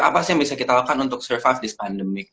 apa sih yang bisa kita lakukan untuk survive this pandemic